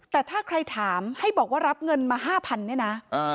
แต่ถ้าใครถามให้บอกว่ารับเงินมา๕๐๐เนี่ยนะ